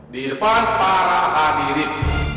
di depan para hadirin